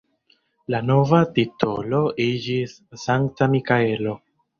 La nova titolo iĝis Sankta Mikaelo.